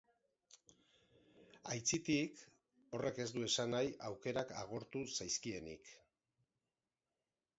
Aitzitik, horrek ez du esan nahi aukerak agortu zaizkienik.